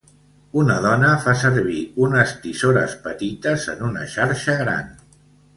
Una dona fa servir unes tisores petites en una xarxa gran.